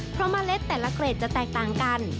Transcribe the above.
เพราะเมล็ดแต่ละเกรดจะแตกต่างกัน